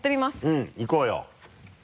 うんいこうよ。